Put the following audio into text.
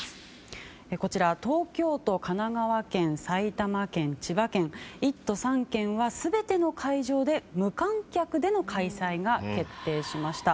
東京都、神奈川県埼玉県、千葉県１都３県は全ての会場で無観客での開催が決定しました。